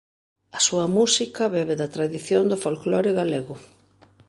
A súa música bebe da tradición do folclore galego.